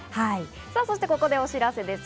そしてここでお知らせです。